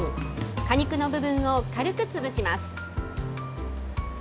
果肉の部分を軽く潰します。